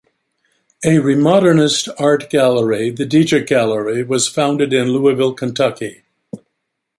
A Remodernist art gallery, The Deatrick Gallery was founded in Louisville, Kentucky.